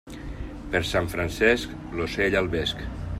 Per Sant Francesc, l'ocell al vesc.